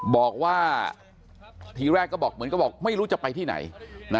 บอกว่าคือแรกเหมือนแบบไม่รู้จะไปที่ไหน